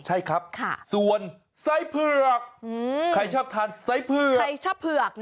ใช่ครับส่วนไส้เผือก